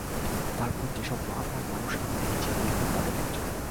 তারপর যে-সব মহাপ্রাণ মানুষ আমি দেখেছি, মি হেল তাঁদের একজন।